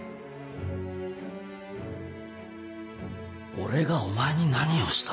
俺がお前に何をした？